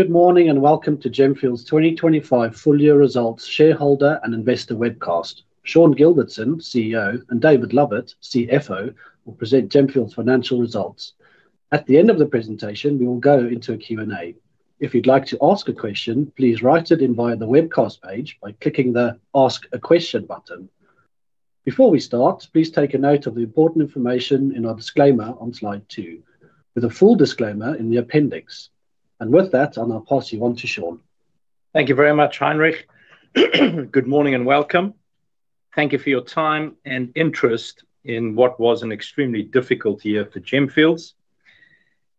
Good morning, and welcome to Gemfields' 2025 Full-year Results Shareholder and Investor Webcast. Sean Gilbertson, Chief Executive Officer, and David Lovett, Chief Financial Officer, will present Gemfields' financial results. At the end of the presentation, we will go into a Q&A. If you'd like to ask a question, please write it in via the webcast page by clicking the Ask a Question button. Before we start, please take a note of the important information in our disclaimer on slide two, with a full disclaimer in the appendix. With that, I'll now pass you on to Sean. Thank you very much, Heinrich. Good morning and welcome. Thank you for your time and interest in what was an extremely difficult year for Gemfields.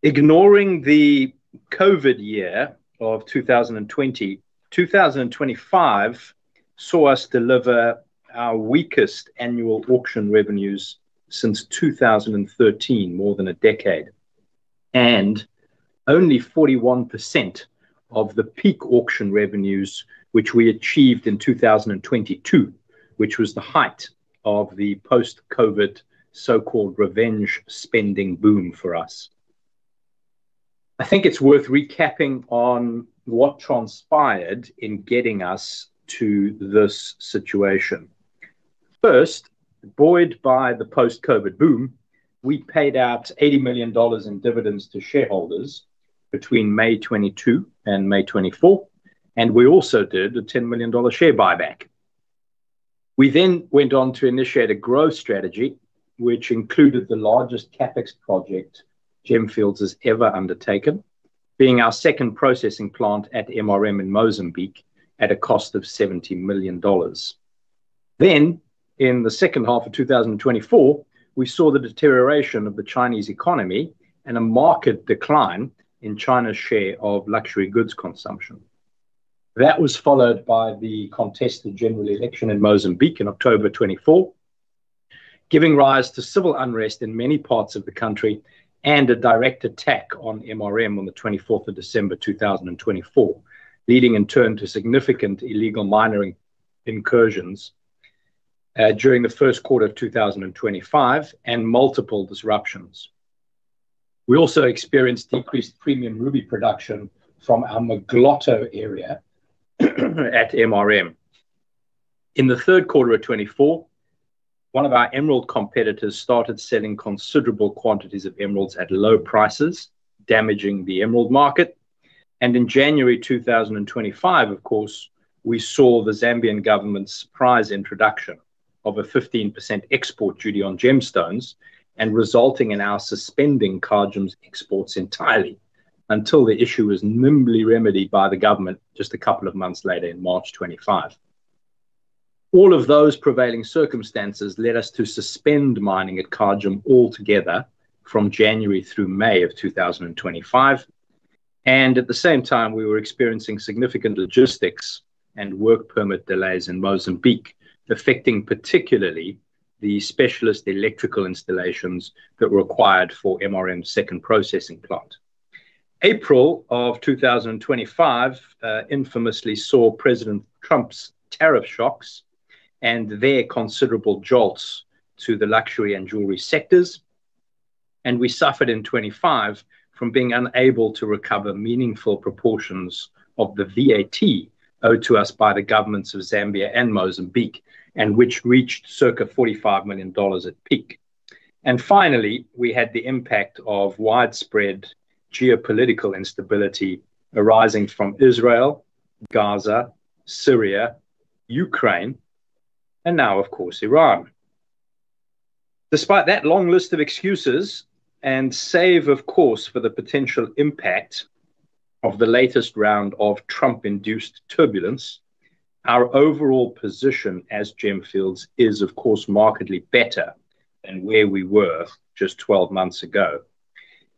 Ignoring the COVID year of 2020, 2025 saw us deliver our weakest annual auction revenues since 2013, more than a decade, and only 41% of the peak auction revenues which we achieved in 2022, which was the height of the post-COVID so-called revenge spending boom for us. I think it's worth recapping on what transpired in getting us to this situation. First, buoyed by the post-COVID boom, we paid out $80 million in dividends to shareholders between May 2022 and May 2024, and we also did a $10 million share buyback. We then went on to initiate a growth strategy, which included the largest CapEx project Gemfields has ever undertaken, being our second processing plant at MRM in Mozambique at a cost of $70 million. In the second half of 2024, we saw the deterioration of the Chinese economy and a market decline in China's share of luxury goods consumption. That was followed by the contested general election in Mozambique in October 2024, giving rise to civil unrest in many parts of the country and a direct attack on MRM on the 24th of December 2024, leading in turn to significant illegal mining incursions during the first quarter of 2025, and multiple disruptions. We also experienced decreased premium ruby production from our Mogloto area at MRM. In the third quarter of 2024, one of our emerald competitors started selling considerable quantities of emeralds at low prices, damaging the emerald market. In January 2025, of course, we saw the Zambian government's surprise introduction of a 15% export duty on gemstones and resulting in our suspending Kagem's exports entirely until the issue was nimbly remedied by the government just a couple of months later in March 2025. All of those prevailing circumstances led us to suspend mining at Kagem altogether from January through May of 2025, and at the same time, we were experiencing significant logistics and work permit delays in Mozambique, affecting particularly the specialist electrical installations that were required for MRM's second processing plant. April 2025 infamously saw President Trump's tariff shocks and their considerable jolts to the luxury and jewelry sectors, and we suffered in 2025 from being unable to recover meaningful proportions of the VAT owed to us by the governments of Zambia and Mozambique, and which reached circa $45 million at peak. Finally, we had the impact of widespread geopolitical instability arising from Israel, Gaza, Syria, Ukraine, and now, of course, Iran. Despite that long list of excuses, and save of course for the potential impact of the latest round of Trump-induced turbulence, our overall position as Gemfields is, of course, markedly better than where we were just 12 months ago.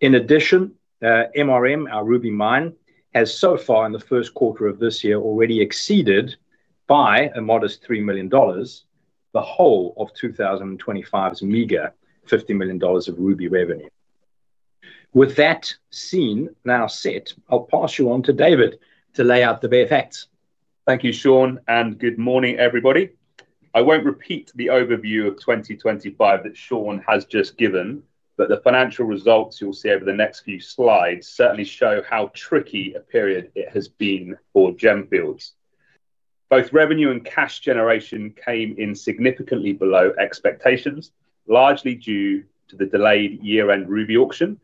In addition, MRM, our ruby mine, has so far in the first quarter of this year already exceeded by a modest $3 million the whole of 2025's meager $50 million of ruby revenue. With that scene now set, I'll pass you on to David to lay out the bare facts. Thank you, Sean, and good morning, everybody. I won't repeat the overview of 2025 that Sean has just given, but the financial results you'll see over the next few slides certainly show how tricky a period it has been for Gemfields. Both revenue and cash generation came in significantly below expectations, largely due to the delayed year-end ruby auction.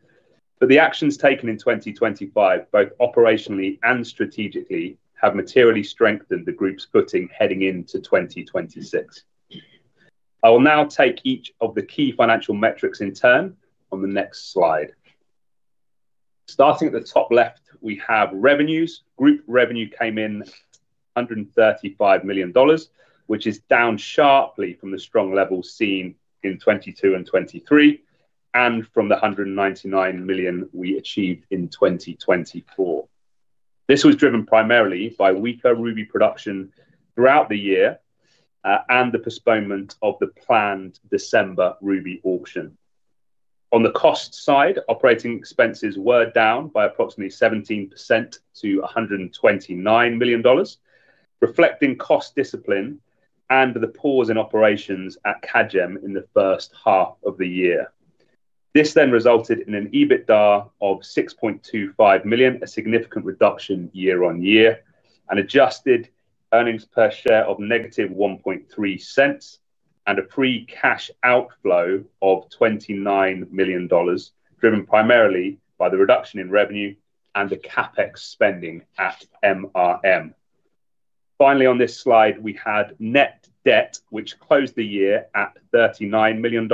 The actions taken in 2025, both operationally and strategically, have materially strengthened the group's footing heading into 2026. I will now take each of the key financial metrics in turn on the next slide. Starting at the top left, we have revenues. Group revenue came in $135 million, which is down sharply from the strong levels seen in 2022 and 2023 and from the $199 million we achieved in 2024. This was driven primarily by weaker ruby production throughout the year, and the postponement of the planned December ruby auction. On the cost side, operating expenses were down by approximately 17% to $129 million, reflecting cost discipline and the pause in operations at Kagem in the first half of the year. This then resulted in an EBITDA of $6.25 million, a significant reduction year-on-year, and adjusted earnings per share of -$0.013 and a free cash outflow of $29 million, driven primarily by the reduction in revenue and the CapEx spending at MRM. Finally, on this slide, we had net debt, which closed the year at $39 million.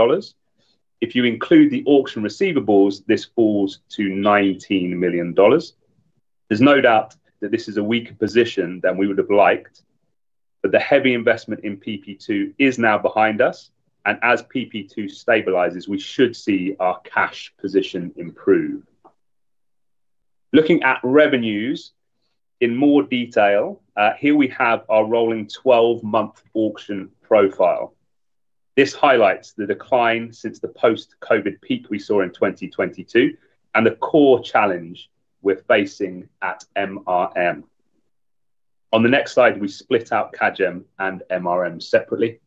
If you include the auction receivables, this falls to $19 million. There's no doubt that this is a weaker position than we would have liked, but the heavy investment in PP2 is now behind us, and as PP2 stabilizes, we should see our cash position improve. Looking at revenues in more detail, here we have our rolling twelve-month auction profile. This highlights the decline since the post-COVID peak we saw in 2022 and the core challenge we're facing at MRM. On the next slide, we split out Kagem and MRM separately.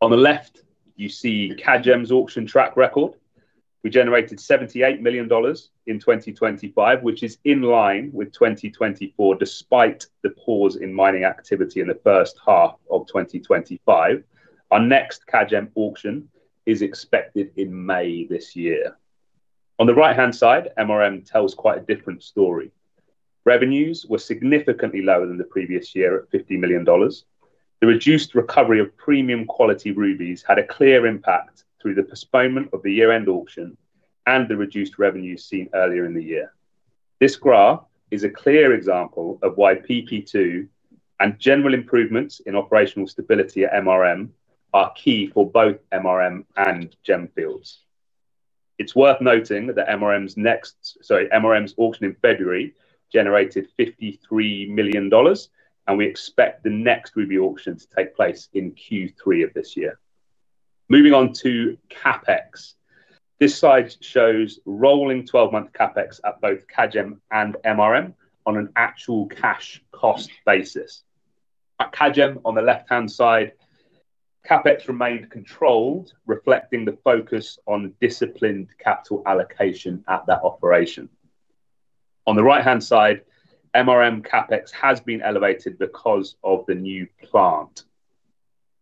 On the left, you see Kagem's auction track record. We generated $78 million in 2025, which is in line with 2024, despite the pause in mining activity in the first half of 2025. Our next Kagem auction is expected in May this year. On the right-hand side, MRM tells quite a different story. Revenues were significantly lower than the previous year at $50 million. The reduced recovery of premium quality rubies had a clear impact through the postponement of the year-end auction and the reduced revenues seen earlier in the year. This graph is a clear example of why PP2 and general improvements in operational stability at MRM are key for both MRM and Gemfields. It's worth noting that MRM's auction in February generated $53 million, and we expect the next ruby auction to take place in Q3 of this year. Moving on to CapEx. This slide shows rolling 12-month CapEx at both Kagem and MRM on an actual cash cost basis. At Kagem, on the left-hand side, CapEx remained controlled, reflecting the focus on disciplined capital allocation at that operation. On the right-hand side, MRM CapEx has been elevated because of the new plant.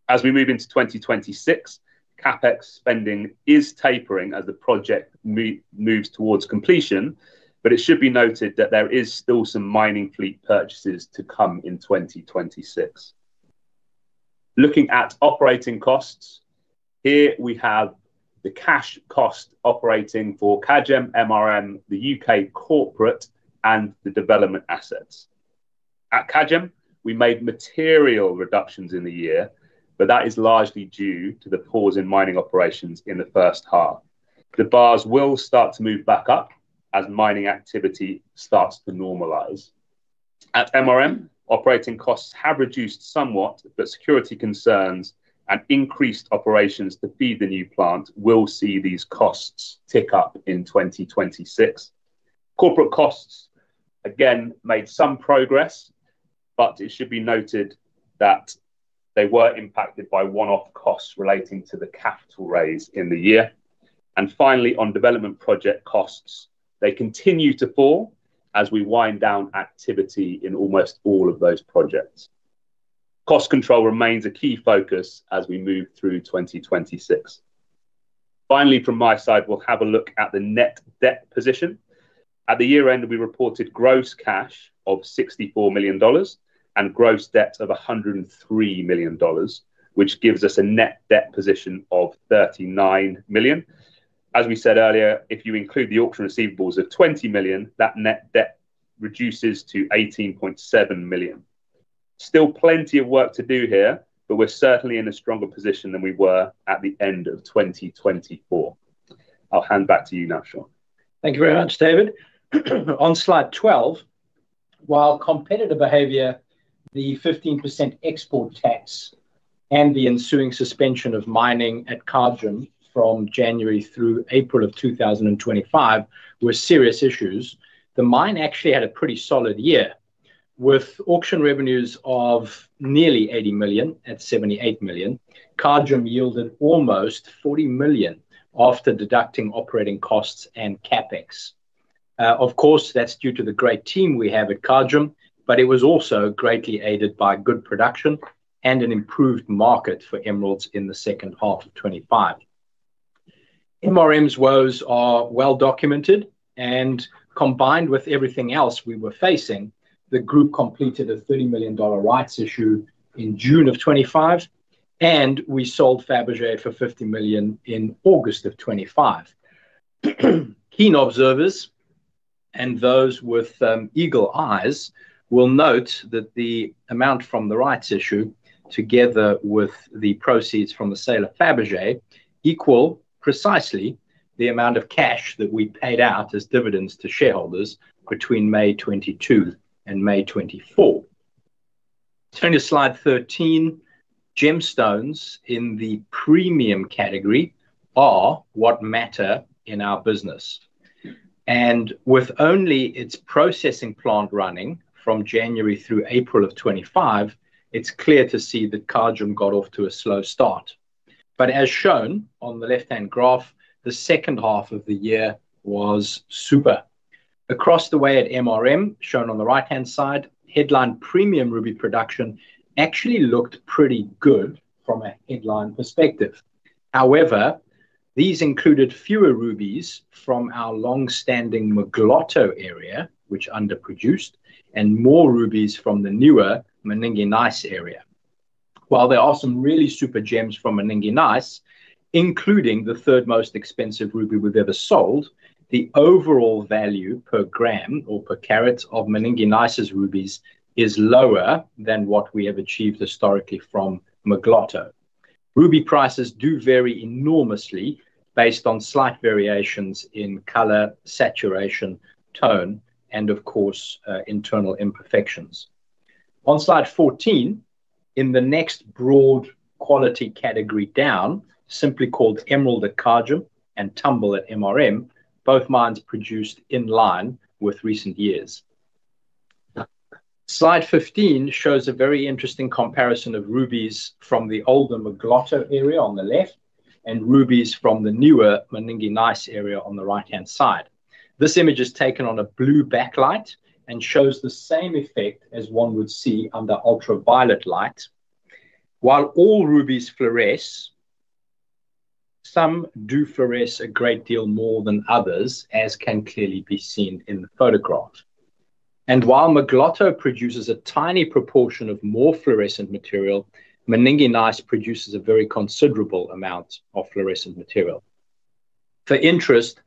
As we move into 2026, CapEx spending is tapering as the project moves towards completion. It should be noted that there is still some mining fleet purchases to come in 2026. Looking at operating costs, here we have the cash cost operating for Kagem, MRM, the U.K. corporate, and the development assets. At Kagem, we made material reductions in the year, but that is largely due to the pause in mining operations in the first half. The bars will start to move back up as mining activity starts to normalize. At MRM, operating costs have reduced somewhat, but security concerns and increased operations to feed the new plant will see these costs tick up in 2026. Corporate costs, again, made some progress, but it should be noted that they were impacted by one-off costs relating to the capital raise in the year. Finally, on development project costs, they continue to fall as we wind down activity in almost all of those projects. Cost control remains a key focus as we move through 2026. Finally, from my side, we'll have a look at the net debt position. At the year-end, we reported gross cash of $64 million and gross debt of $103 million, which gives us a net debt position of $39 million. As we said earlier, if you include the auction receivables of $20 million, that net debt reduces to $18.7 million. Still plenty of work to do here, but we're certainly in a stronger position than we were at the end of 2024. I'll hand back to you now, Sean. Thank you very much, David. On slide 12, while competitive behavior, the 15% export duty, and the ensuing suspension of mining at Kagem from January through April of 2025 were serious issues, the mine actually had a pretty solid year. With auction revenues of nearly $80 million, at $78 million, Kagem yielded almost $40 million after deducting operating costs and CapEx. Of course, that's due to the great team we have at Kagem, but it was also greatly aided by good production and an improved market for emeralds in the second half of 2025. MRM's woes are well documented, and combined with everything else we were facing, the group completed a $30 million rights issue in June of 2025, and we sold Fabergé for $50 million in August of 2025. Keen observers and those with eagle eyes will note that the amount from the rights issue, together with the proceeds from the sale of Fabergé, equal precisely the amount of cash that we paid out as dividends to shareholders between May 2022 and May 2024. Turning to slide 13, gemstones in the premium category are what matter in our business. With only its processing plant running from January through April of 2025, it's clear to see that Kagem got off to a slow start. As shown on the left-hand graph, the second half of the year was super. Across the way at MRM, shown on the right-hand side, headline premium ruby production actually looked pretty good from a headline perspective. However, these included fewer rubies from our long-standing Mogloto area, which underproduced, and more rubies from the newer Maninge Nice area. While there are some really super gems from Maninge Nice, including the third most expensive ruby we've ever sold, the overall value per gram or per carat of Maninge Nice's rubies is lower than what we have achieved historically from Mogloto. Ruby prices do vary enormously based on slight variations in color, saturation, tone, and of course, internal imperfections. On slide 14, in the next broad quality category down, simply called Emerald at Kagem and Tumble at MRM, both mines produced in line with recent years. Slide 15 shows a very interesting comparison of rubies from the older Mogloto area on the left and rubies from the newer Maninge Nice area on the right-hand side. This image is taken on a blue backlight and shows the same effect as one would see under ultraviolet light. While all rubies fluoresce, some do fluoresce a great deal more than others, as can clearly be seen in the photograph. While Mogloto produces a tiny proportion of more fluorescent material, Maninge Nice produces a very considerable amount of fluorescent material. For interest,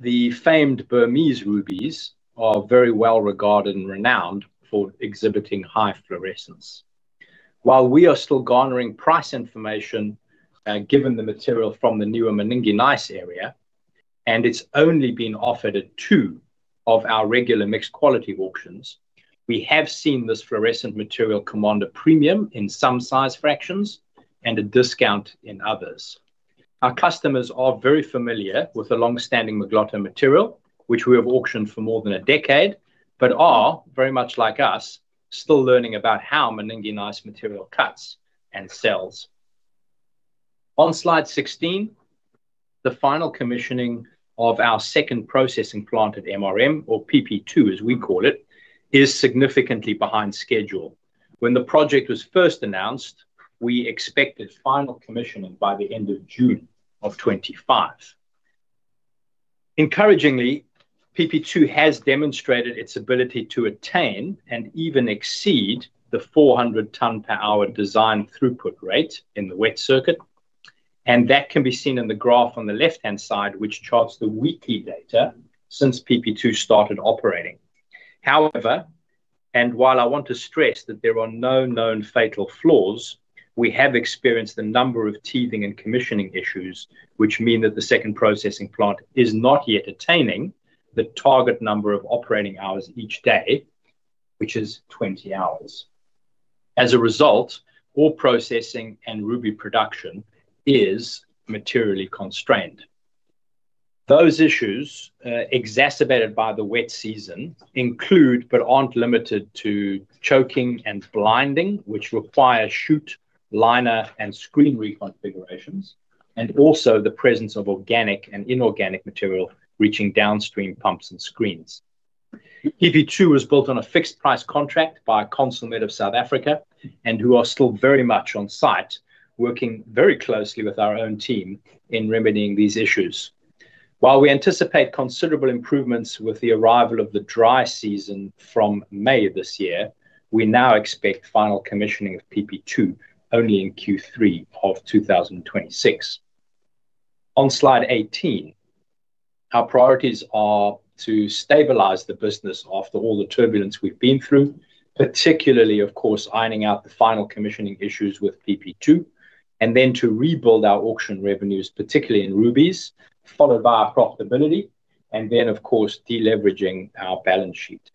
the famed Burmese rubies are very well regarded and renowned for exhibiting high fluorescence. While we are still garnering price information, given the material from the newer Maninge Nice area, and it's only been offered at two of our regular mixed quality auctions, we have seen this fluorescent material command a premium in some size fractions and a discount in others. Our customers are very familiar with the long-standing Mogloto material, which we have auctioned for more than a decade, but are, very much like us, still learning about how Maninge Nice material cuts and sells. On slide 16, the final commissioning of our second processing plant at MRM, or PP2 as we call it, is significantly behind schedule. When the project was first announced, we expected final commissioning by the end of June 2025. Encouragingly, PP2 has demonstrated its ability to attain and even exceed the 400 tons per hour design throughput rate in the wet circuit, and that can be seen in the graph on the left-hand side, which charts the weekly data since PP2 started operating. However, while I want to stress that there are no known fatal flaws, we have experienced a number of teething and commissioning issues, which mean that the second processing plant is not yet attaining the target number of operating hours each day, which is 20 hours. As a result, all processing and ruby production is materially constrained. Those issues, exacerbated by the wet season, include but aren't limited to choking and blinding, which require chute, liner and screen reconfigurations, and also the presence of organic and inorganic material reaching downstream pumps and screens. PP2 was built on a fixed price contract by Consulmet of South Africa, who are still very much on site, working very closely with our own team in remedying these issues. While we anticipate considerable improvements with the arrival of the dry season from May this year, we now expect final commissioning of PP2 only in Q3 of 2026. On slide 18, our priorities are to stabilize the business after all the turbulence we've been through, particularly, of course, ironing out the final commissioning issues with PP2, and then to rebuild our auction revenues, particularly in rubies, followed by profitability, and then, of course, deleveraging our balance sheet.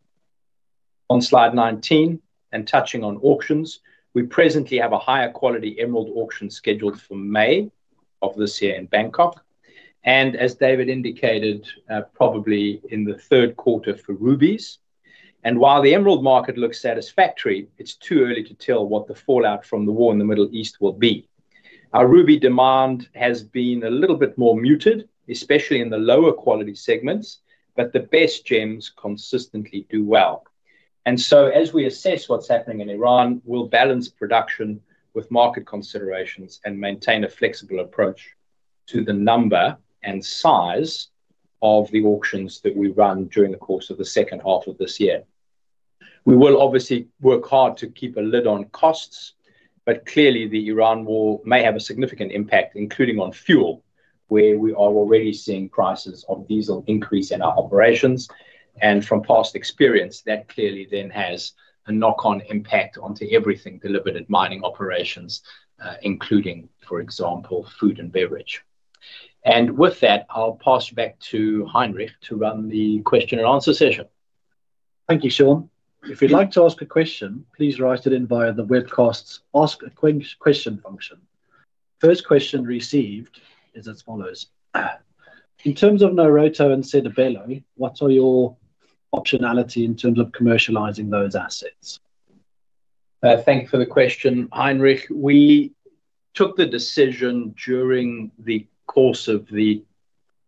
On slide 19, and touching on auctions, we presently have a higher quality emerald auction scheduled for May of this year in Bangkok. As David indicated, probably in the third quarter for rubies. While the emerald market looks satisfactory, it's too early to tell what the fallout from the war in the Middle East will be. Our ruby demand has been a little bit more muted, especially in the lower quality segments, but the best gems consistently do well. As we assess what's happening in Iran, we'll balance production with market considerations and maintain a flexible approach to the number and size of the auctions that we run during the course of the second half of this year. We will obviously work hard to keep a lid on costs, but clearly the Iran war may have a significant impact, including on fuel, where we are already seeing prices of diesel increase in our operations. From past experience, that clearly then has a knock-on impact onto everything delivered at mining operations, including, for example, food and beverage. With that, I'll pass you back to Heinrich to run the question and answer session. Thank you, Sean. If you'd like to ask a question, please write it in via the webcast's Ask a Question function. First question received is as follows. In terms of Nairoto and Sedibelo, what are your optionality in terms of commercializing those assets? Thank you for the question, Heinrich. We took the decision during the course of the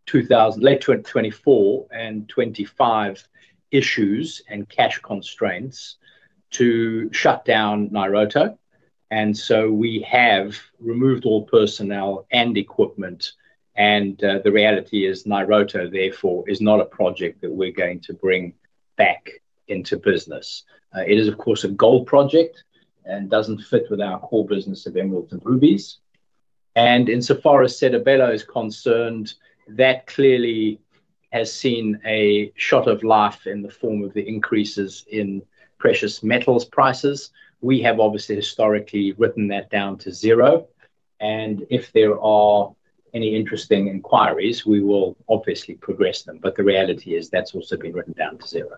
2024 and 2025 issues and cash constraints to shut down Nairoto. We have removed all personnel and equipment, and the reality is Nairoto therefore is not a project that we're going to bring back into business. It is, of course, a gold project and doesn't fit with our core business of emeralds and rubies. Insofar as Sedibelo is concerned, that clearly has seen a shot of life in the form of the increases in precious metals prices. We have obviously historically written that down to zero, and if there are any interesting inquiries, we will obviously progress them. The reality is that's also been written down to zero.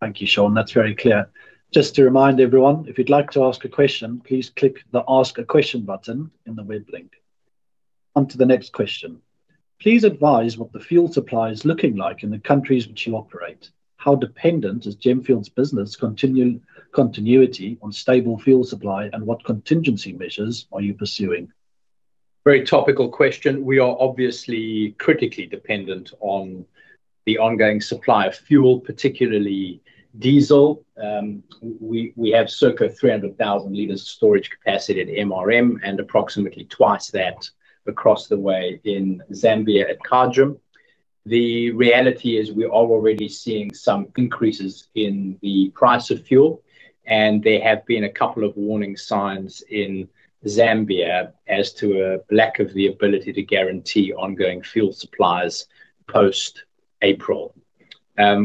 Thank you, Sean. That's very clear. Just to remind everyone, if you'd like to ask a question, please click the Ask a Question button in the web link. On to the next question. Please advise what the fuel supply is looking like in the countries which you operate. How dependent is Gemfields' business continuity on stable fuel supply, and what contingency measures are you pursuing? Very topical question. We are obviously critically dependent on the ongoing supply of fuel, particularly diesel. We have circa 300,000 L of storage capacity at MRM and approximately twice that across the way in Zambia at Kagem. The reality is we are already seeing some increases in the price of fuel, and there have been a couple of warning signs in Zambia as to a lack of the ability to guarantee ongoing fuel supplies post-April.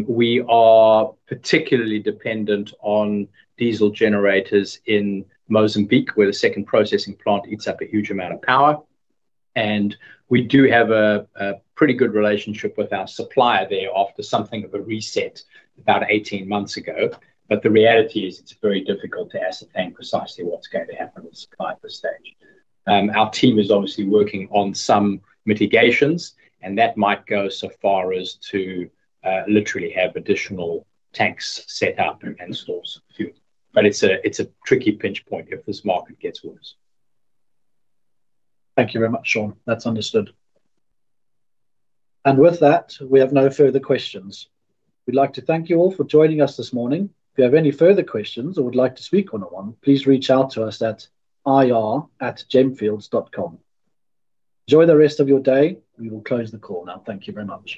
We are particularly dependent on diesel generators in Mozambique, where the second processing plant eats up a huge amount of power, and we do have a pretty good relationship with our supplier there after something of a reset about 18 months ago. The reality is it's very difficult to ascertain precisely what's going to happen with supply at this stage. Our team is obviously working on some mitigations, and that might go so far as to literally have additional tanks set up and store some fuel. It's a tricky pinch point if this market gets worse. Thank you very much, Sean. That's understood. With that, we have no further questions. We'd like to thank you all for joining us this morning. If you have any further questions or would like to speak one-on-one, please reach out to us at ir@gemfields.com. Enjoy the rest of your day. We will close the call now. Thank you very much.